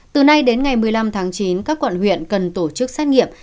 từ nay đến ngày một mươi năm tháng chín các quận huyện cần tổ chức xét nghiệm